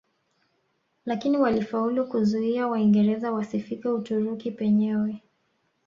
Lakini walifaulu kuzuia Waingereza wasifike Uturuki penyewe